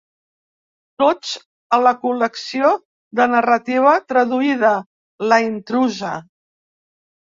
Tots, a la col·lecció de narrativa traduïda: La intrusa.